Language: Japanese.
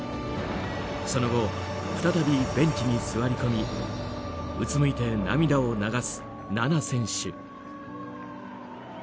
その後、再びベンチに座り込みうつむいて涙を流す菜那選手。